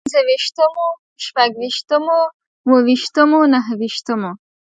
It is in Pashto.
پنځه ويشتمو، شپږ ويشتمو، اووه ويشتمو، نهه ويشتمو